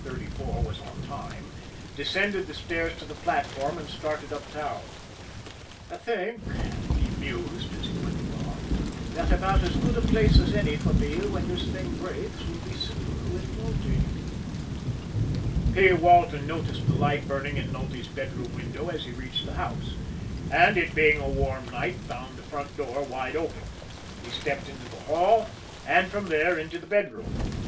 34 was on time descended the stairs to the platform, and started uptown. "I think," he mused, as he went along, "that about as good a place as any for me when this thing breaks will be sitting with Nulty." P. Walton noticed the light burning in Nulty's bedroom window as he reached the house; and, it being a warm night, found the front door wide open. He stepped into the hall, and from there into the bedroom.